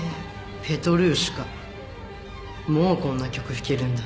『ペトルーシュカ』もうこんな曲弾けるんだ。